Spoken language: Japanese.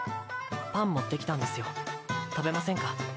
パン持ってきたんですよ食べませんか？